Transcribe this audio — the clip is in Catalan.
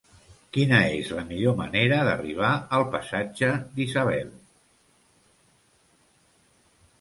Quina és la millor manera d'arribar al passatge d'Isabel?